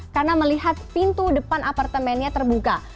karena melihat pintu depan apartemennya terbuka